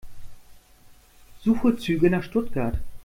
Suche Züge nach Stuttgart.